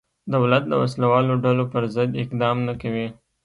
دولت د وسله والو ډلو پرضد اقدام نه کوي.